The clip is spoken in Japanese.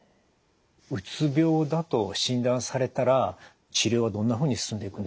うつ病だと診断されたら治療はどんなふうに進んでいくんでしょう？